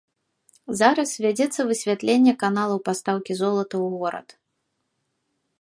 Зараз вядзецца высвятленне каналаў пастаўкі золата ў горад.